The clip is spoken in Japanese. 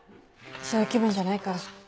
そういう気分じゃないから。